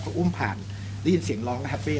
ก็อุ้มผ่านได้ยินเสียงร้องนะฮับปี้ละ